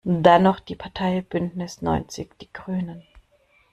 Dann noch die Partei Bündnis neunzig die Grünen.